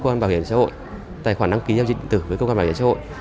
cơ quan bảo hiểm xã hội tài khoản đăng ký giao dịch tử với cơ quan bảo hiểm xã hội